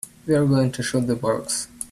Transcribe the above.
We're going to shoot the works.